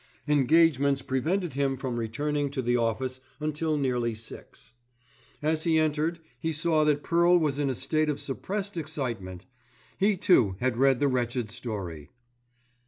Engagements prevented him from returning to the office until nearly six. As he entered he saw that Pearl was in a state of suppressed excitement. He too had read the wretched story.